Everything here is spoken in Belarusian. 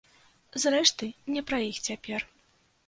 Зрэшты, не пра іх цяпер.